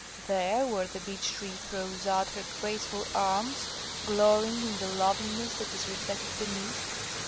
There, where the beech tree throws out her graceful arms, glorying in the loveliness that is reflected beneath.